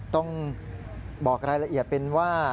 ต้องบอกรายละเอียดเป็นว่า